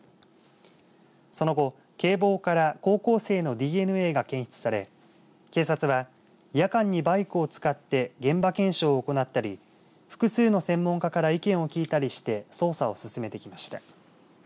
その後、警棒から高校生のＤＮＡが検出され警察は夜間にバイクを使って現場検証を行ったり複数の専門家から意見を聞いたりして捜査を進めてきました。